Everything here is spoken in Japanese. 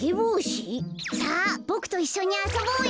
さあボクといっしょにあそぼうよ。